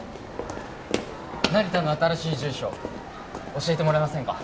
成田の新しい住所教えてもらえませんか？